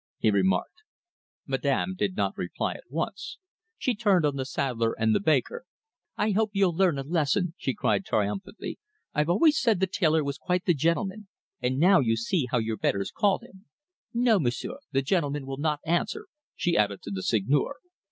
he remarked. Madame did not reply at once. She turned on the saddler and the baker. "I hope you'll learn a lesson," she cried triumphantly. "I've always said the tailor was quite the gentleman; and now you see how your betters call him. No, M'sieu', the gentleman will not answer," she added to the Seigneur.